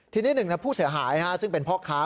ทีนี้หนึ่งในผู้เสียหายซึ่งเป็นพ่อค้า